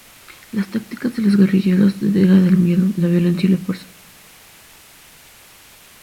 Las tácticas de los guerrilleros eran el miedo, la violencia y la fuerza.